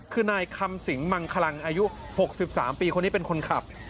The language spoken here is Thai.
คือนายคำสิงมังคลังอายุ๖๓ปีคนนี้เป็นคนขับ